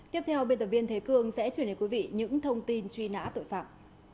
tiếp theo biên tập viên thế cương sẽ chuyển đến quý vị những thông tin truy nã tội phạm